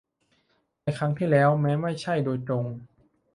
ในครั้งที่แล้วแม้ไม่ใช่โดยตรง